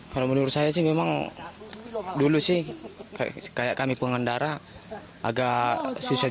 kalau menurut saya sih memang dulu sih kayak kami pengendara agak susah